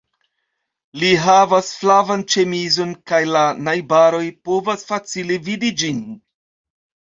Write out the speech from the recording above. Li havas flavan ĉemizon kaj la najbaroj povas facile vidi ĝin.